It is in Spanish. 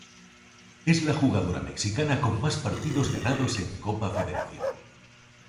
Es la jugadora mexicana con más partidos ganados en Copa Federación